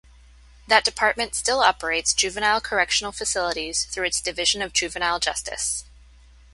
That department still operates juvenile correctional facilities through its Division of Juvenile Justice.